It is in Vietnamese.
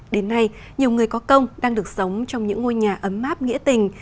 đến nay nhiều người có công đang được sống trong những ngôi nhà ấm áp nghĩa tình